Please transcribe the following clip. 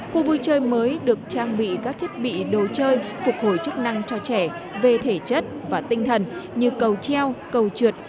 khu vui chơi mới được trang bị các thiết bị đồ chơi phục hồi chức năng cho trẻ về thể chất và tinh thần như cầu treo cầu trượt